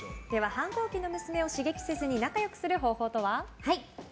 反抗期の娘を刺激せずに仲良くする方法とは？